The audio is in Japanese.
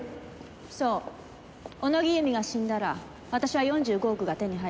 そう小野木由美が死んだら私は４５億が手に入るの。